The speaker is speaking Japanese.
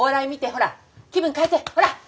ほら！